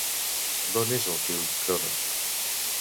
D'on és el film Cronos?